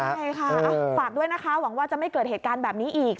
ใช่ค่ะฝากด้วยนะคะหวังว่าจะไม่เกิดเหตุการณ์แบบนี้อีก